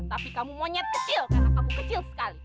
tapi kamu monyet kecil karena kamu kecil sekali